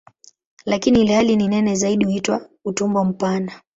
Lakini ilhali ni nene zaidi huitwa "utumbo mpana".